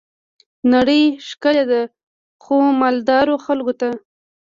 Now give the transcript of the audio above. نړۍ ښکلي ده خو، مالدارو خلګو ته.